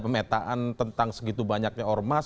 pemetaan tentang segitu banyaknya ormas